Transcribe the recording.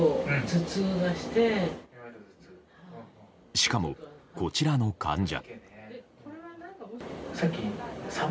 しかも、こちらの患者。